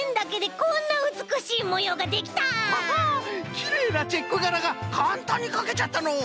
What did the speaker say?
きれいなチェックがらがかんたんにかけちゃったのう！